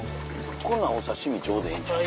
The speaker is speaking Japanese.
こんなんお刺身ちょうどええんちゃう？